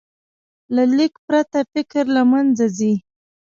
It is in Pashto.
له لیک پرته، فکر له منځه ځي.